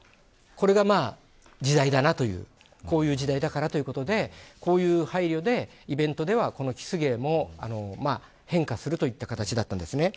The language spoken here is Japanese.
これが時代だなというこういう時代だからということでこういう配慮で、イベントではこのキス芸も変化するという形だったんですね。